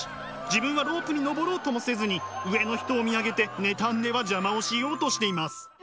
自分はロープに登ろうともせずに上の人を見上げて妬んでは邪魔をしようとしています。